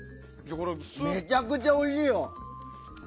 めちゃくちゃおいしいよ。